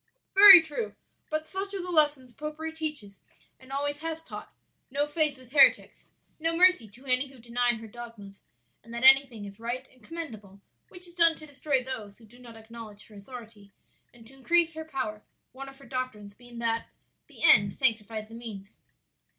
"Very true; but such are the lessons popery teaches and always has taught; 'no faith with heretics,' no mercy to any who deny her dogmas; and that anything is right and commendable which is done to destroy those who do not acknowledge her authority and to increase her power; one of her doctrines being that the end sanctifies the means!"